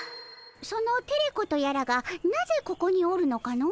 そのテレ子とやらがなぜここにおるのかの？